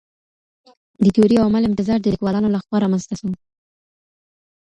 د تيوري او عمل امتزاج د ليکوالانو لخوا رامنځته سو.